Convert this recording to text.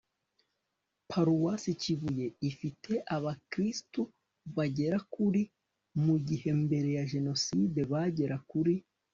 paruwasi kibuye ifite abakristu bagera kuri mu gihe mbere ya jenoside bageraga kuri